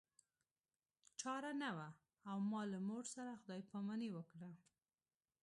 چاره نه وه او ما له مور سره خدای پاماني وکړه